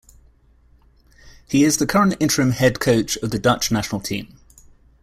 He is the current interim head coach of the Dutch national team.